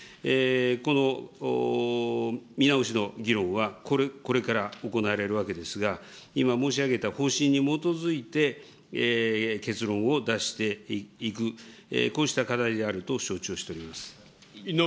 この見直しの議論はこれから行われるわけですが、今申し上げた方針に基づいて、結論を出していく、こうした課題であると承知をしております。